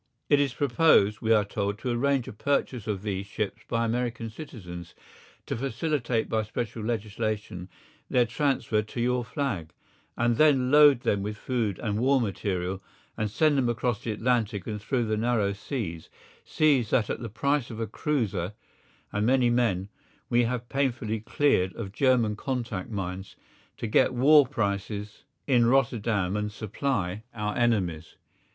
It is proposed, we are told, to arrange a purchase of these ships by American citizens, to facilitate by special legislation their transfer to your flag, and then to load them with food and war material and send them across the Atlantic and through the narrow seas, seas that at the price of a cruiser and many men we have painfully cleared of German contact mines, to get war prices in Rotterdam and supply our enemies.